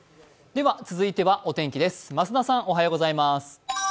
続いては、お天気です。